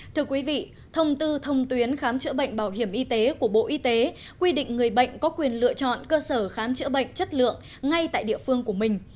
thưa quý vị thông tư thông tuyến khám chữa bệnh bảo hiểm y tế của bộ y tế quy định người bệnh có quyền lựa chọn cơ sở khám chữa bệnh chất lượng ngay tại địa phương của mình